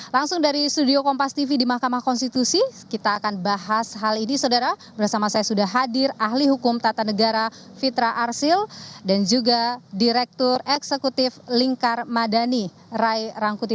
langsung dari studio kompas tv di mahkamah konstitusi kita akan bahas hal ini saudara bersama saya sudah hadir ahli hukum tata negara fitra arsil dan juga direktur eksekutif lingkar madani rai rangkuti